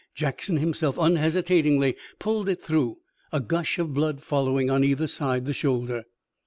Jackson himself unhesitatingly pulled it through, a gush of blood following on either side the shoulder.